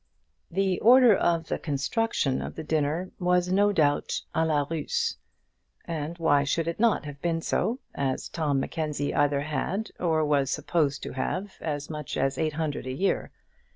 The order of the construction of the dinner was no doubt à la Russe; and why should it not have been so, as Tom Mackenzie either had or was supposed to have as much as eight hundred a year?